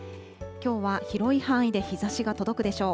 きょうは広い範囲で日ざしが届くでしょう。